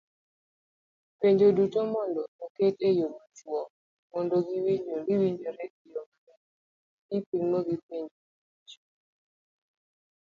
Penjo duto mondo oket eyo machuok mondo giwinjore eyo maler kipimo gi penjo mabocho